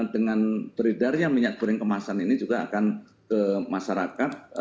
dengan beredarnya minyak goreng kemasan ini juga akan ke masyarakat